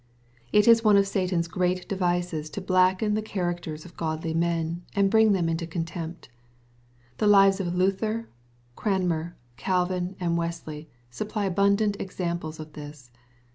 ' It is one of Satan's great devices to blacken the charac ters of godly men, and bring them into contempt. The lives of Luther, Cranmer, Calvin, and Wesley supply abundant examples of this.